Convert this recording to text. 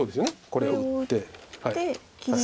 これを打って切り。